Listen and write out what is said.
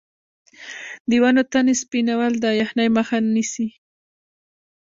د ونو تنې سپینول د یخنۍ مخه نیسي؟